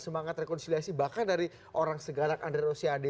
semangat rekonsiliasi bahkan dari orang segarang androsyade